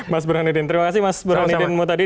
mas burhanuddin terima kasih mas burhanuddin